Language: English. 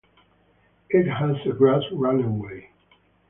It has a grass runway.